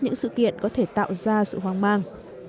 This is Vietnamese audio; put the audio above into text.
những sự kiện có thể tạo ra sự hoang mang